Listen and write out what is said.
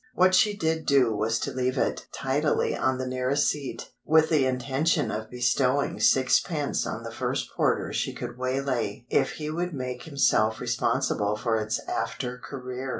What she did do was to leave it tidily on the nearest seat, with the intention of bestowing sixpence on the first porter she could waylay if he would make himself responsible for its after career.